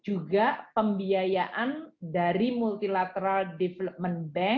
juga pembiayaan dari multilateral development bank